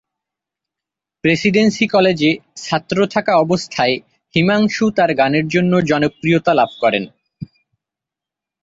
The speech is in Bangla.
প্রেসিডেন্সি কলেজে ছাত্র থাকা অবস্থাতেই হিমাংশু তার গানের জন্য জনপ্রিয়তা লাভ করেন।